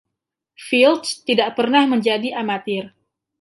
Fields tidak pernah menjadi amatir.